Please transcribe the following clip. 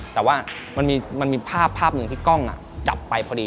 แต่ว่ามันมีภาพหนึ่งที่กล้องจับไปพอดี